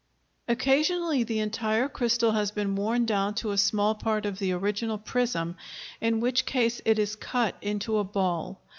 Occasionally the entire crystal has been worn down to a small part of the original prism, in which case it is cut into a ball.